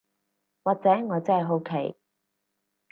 或者我只係好奇